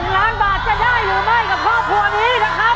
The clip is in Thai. ๑ล้านบาทจะได้หรือไม่กับครอบครัวนี้นะครับ